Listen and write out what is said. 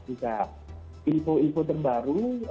tiga info info terbaru